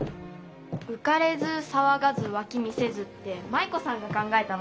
「うかれずさわがずわき見せず」って舞子さんが考えたの？